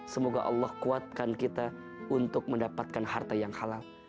semoga allah kuatkan kita untuk mendapatkan harta yang halal